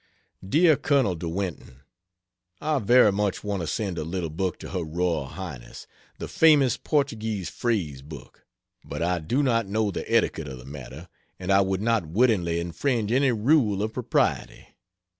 DEAR COLONEL DE WINTON, I very much want to send a little book to her Royal Highness the famous Portuguese phrase book; but I do not know the etiquette of the matter, and I would not wittingly infringe any rule of propriety.